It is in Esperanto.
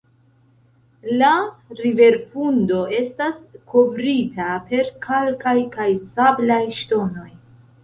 La riverfundo estas kovrita per kalkaj kaj sablaj ŝtonoj.